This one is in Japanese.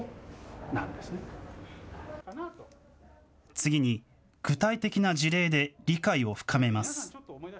次に、具体的な事例で理解を深めます。